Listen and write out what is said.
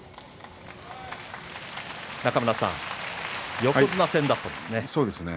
中村さん、横綱戦だったんですね。